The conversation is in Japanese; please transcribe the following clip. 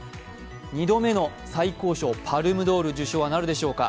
２度目の最高賞パルムドール受賞はなるでしょうか。